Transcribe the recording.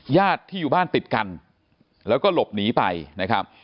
ญาติที่อยู่บ้านติดกันแล้วก็หลบหนีไปนะครับ